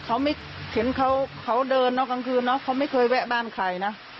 อันนี้หนึ่งถูกหลังเบิบพี่หน้าหง